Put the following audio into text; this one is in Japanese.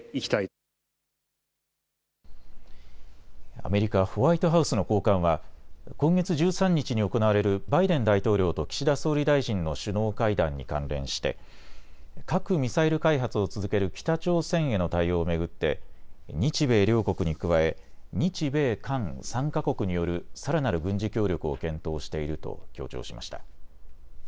アメリカ・ホワイトハウスの高官は今月１３日に行われるバイデン大統領と岸田総理大臣の首脳会談に関連して核・ミサイル開発を続ける北朝鮮への対応を巡って日米両国に加え、日米韓３か国によるさらなる軍事協力を検討していると強調しました。